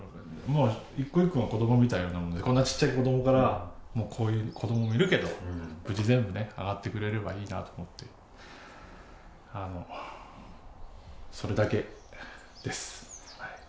もう一個一個が子どもみたいなもんで、こんなちっちゃい子どもから、もうこういう子どももいるけど、無事全部ね、上がってくれればいいなと思って、それだけです。